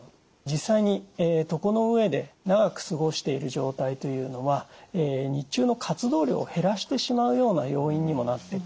実際に床の上で長く過ごしている状態というのは日中の活動量を減らしてしまうような要因にもなってくるんですね。